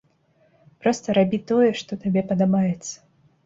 Проста рабі тое, што табе падабаецца.